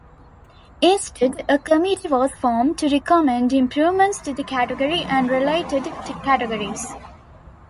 Instead, a committee was formed to recommend improvements to the category and related categories.